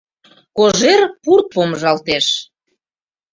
Кожер пурт помыжалтеш.